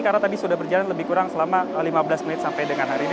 karena tadi sudah berjalan lebih kurang selama lima belas menit sampai dengan hari ini